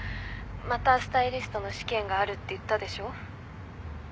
またスタイリストの試験があるって言ったでしょ？